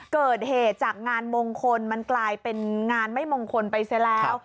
เกิดเหตุจากงานมงคลมันกลายเป็นงานไม่มงคลไปเสียแล้ว